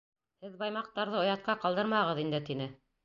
— Һеҙ баймаҡтарҙы оятҡа ҡалдырмағыҙ инде, — тине.